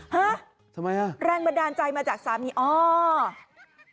ฮะแรงบันดาลใจมาจากสามีทำไมล่ะ